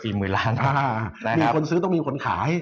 มีคนซื้อต้องมีคนขาย